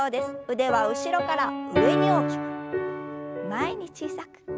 腕は後ろから上に大きく前に小さく。